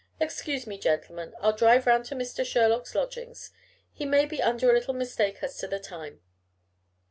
Excuse me, gentlemen: I'll drive round to Mr. Sherlock's lodgings. He may be under a little mistake as to the time.